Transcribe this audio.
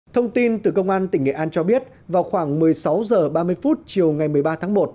thông tin từ công an tỉnh nghệ an cho biết vào khoảng một mươi sáu h ba mươi chiều ngày một mươi ba tháng một